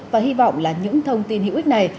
và hy vọng là những thông tin hữu ích này